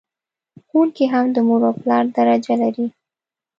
ښوونکي هم د مور او پلار درجه لر...